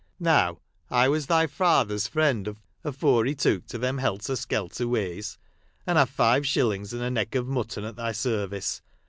Now, I was thy father's friend afore he took to them helter skelter ways ; and I 've five shillings and a neck of mutton at thy service.